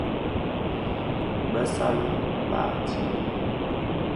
Bëssali baà di bi.